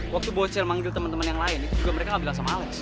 waktu bocell manggil temen temen yang lain itu juga mereka gak bilang sama alex